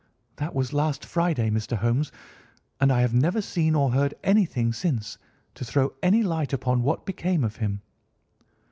That was last Friday, Mr. Holmes, and I have never seen or heard anything since then to throw any light upon what became of him."